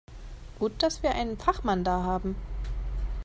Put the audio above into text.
Gut, dass wir einen Fachmann da haben.